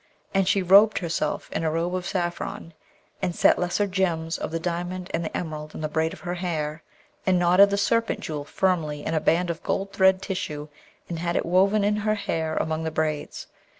And she robed herself in a robe of saffron, and set lesser gems of the diamond and the emerald in the braid of her hair, and knotted the Serpent Jewel firmly in a band of gold threaded tissue, and had it woven in her hair among the braids.